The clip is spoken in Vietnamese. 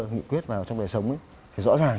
nghị quyết vào trong đời sống thì rõ ràng